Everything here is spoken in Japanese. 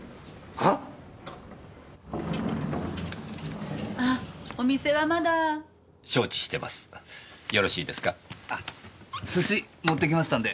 あっ寿司持って来ましたんで！